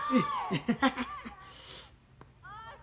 ハハハハ。